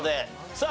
さあ